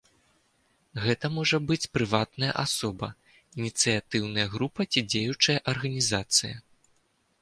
Гэта можа быць прыватная асоба, ініцыятыўная група ці дзеючая арганізацыя.